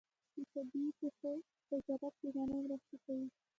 د طبیعي پیښو وزارت بیړنۍ مرستې کوي